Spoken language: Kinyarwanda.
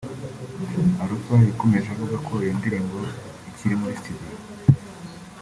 Alpha yakomeje avuga ko iyo ndirimbo ikiri muri studio